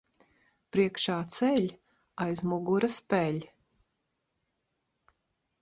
Priekšā ceļ, aiz muguras peļ.